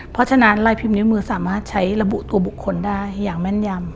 เพราะฉะนั้นลายพิมพ์นิ้วมือสามารถใช้ระบุตัวบุคคลได้อย่างแม่นยำ